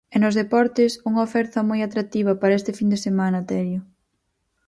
E nos deportes, unha oferta moi atractiva para esta fin de semana, Terio.